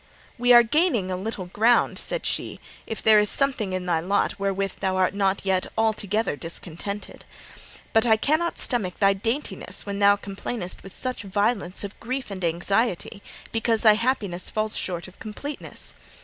'We are gaining a little ground,' said she, 'if there is something in thy lot wherewith thou art not yet altogether discontented. But I cannot stomach thy daintiness when thou complainest with such violence of grief and anxiety because thy happiness falls short of completeness.